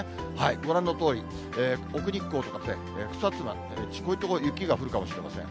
ご覧のとおり、奥日光とか草津町、こういった所、雪が降るかもしれません。